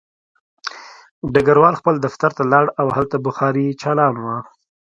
ډګروال خپل دفتر ته لاړ او هلته بخاري چالان وه